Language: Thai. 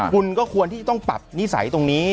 คุณก็ควรที่จะต้องปรับนิสัยตรงนี้